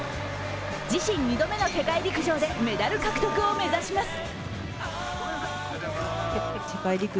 自身２度目の世界陸上でメダル獲得を目指します。